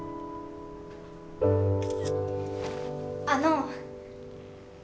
あの。